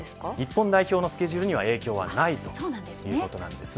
日本代表のスケジュールには影響がないということなんです。